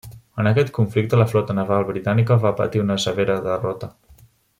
En aquest conflicte la flota naval britànica va patir una severa derrota.